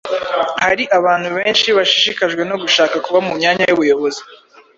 hari abantu benshi bashishikajwe no gushaka kuba mu myanya y’ubuyobozi